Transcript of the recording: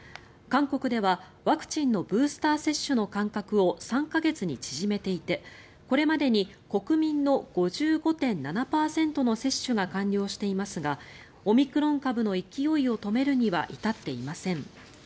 韓国では、ワクチンのブースター接種の間隔を３か月に縮めていてこれまでに国民の５５．７％の接種が完了していますがオミクロン株の勢いを止めるには至っていません。